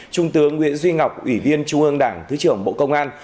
trung tướng nguyễn duy ngọc ủy viên trung ương đảng thứ trưởng bộ công an